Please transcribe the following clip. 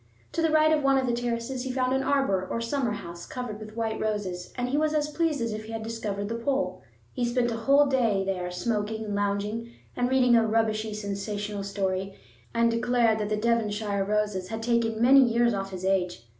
To the right of one of the terraces he found an arbor or summer house covered with white roses, and he was as pleased as if he had discovered the Pole. He spent a whole day there, smoking and lounging and reading a rubbishy sensational story, and declared that the Devonshire roses had taken many years off his age.